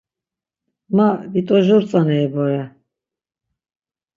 Ma vit̆ojur tzaneri bore.